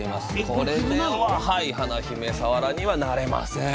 これでは華姫さわらにはなれません